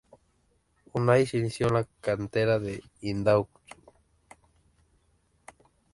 Unai se inició en la cantera del Indautxu.